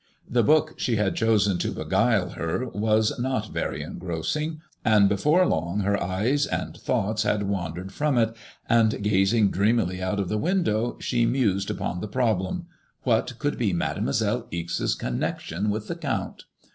The book she had chosen to beguile her was not very engrossing, and before long MADSMOISBLLB IXS. Ill her eyes and thoughts had wandered from it, and gazing dreamily out of the window she mused upon the problem : What could be Mademoiselle Ixe's con nection with the Count